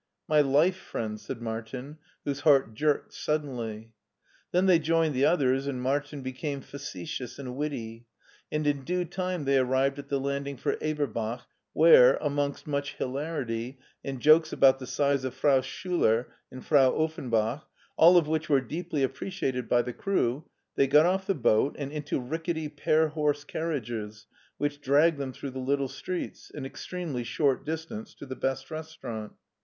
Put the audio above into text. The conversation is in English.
" My life friend," said Martin, whose heart jerked suddenly. Then they joined the others, and Martin became facetious and witty, and in due time they arrived at the landing for Eberbach, where, amongst much hilar ity and jokes about the size of Frau Schuler and Frau Offenbach, all of which were deeply appreciated by the crew, they got off the boat and into rickety pair horse carriages, which dragged them through the little streets, an extremely short distance, to the best restaurant.